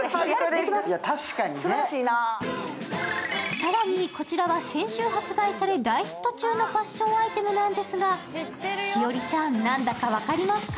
更にこちらは先週発売され、大ヒット中のアイテムなんですが、栞里ちゃん、何だか分かりますか？